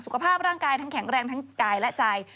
สุขภาพร่างกายทั้งแข็งแรงทั้งกายและใจ